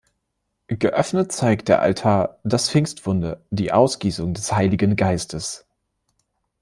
Geöffnet zeigt der Altar das Pfingstwunder, die Ausgießung des Heiligen Geistes.